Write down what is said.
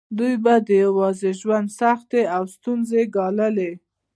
دوی به د یوازې ژوند سختې او ستونزې ګاللې.